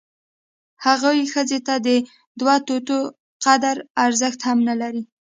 هغوی ښځې ته د دوه توتو قدر ارزښت هم نه لري.